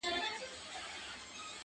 • اوس پر ما لري؛